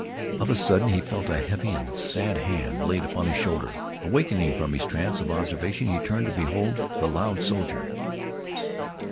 Of a sudden he felt a heavy and sad hand laid upon his shoulder. Awakening from his trance of observation he turned and beheld the loud soldier.